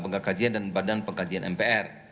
pembangunan kajian dan badan pengkajian mpr